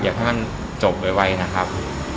ให้มันจบไวนะครับ